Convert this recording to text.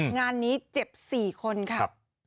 งานนี้เจ็บ๔คนค่ะ